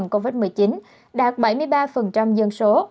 covid một mươi chín đạt bảy mươi ba dân số